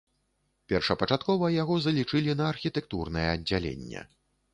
Першапачаткова яго залічылі на архітэктурнае аддзяленне.